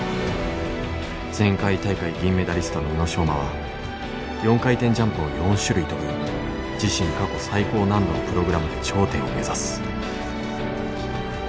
前回大会銀メダリストの宇野昌磨は４回転ジャンプを４種類跳ぶ自身過去最高難度のプログラムで頂点を目指す。